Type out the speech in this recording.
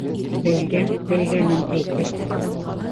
Белгән белгәнен әйтер.